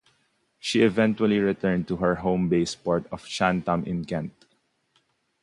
She eventually returned to her home base port of Chatham in Kent.